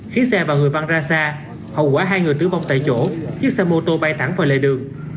khiến xe và người văn ra xa hậu quả hai người tử vong tại chỗ chiếc xe mô tô bay thẳng vào lề đường